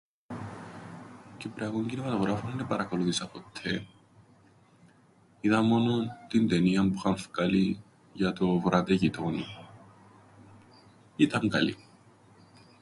Κυπριακόν κινηματογράφον εν επαρακολούθησα ποττέ. Είδα μόνον την ταινίαν που είχαν φκάλει για το Βουράτε γειτόνοι. Ήταν καλή.